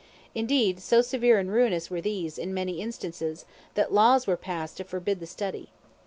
Indeed, so severe and ruinous were these, in many instances, that laws were passed to forbid the study.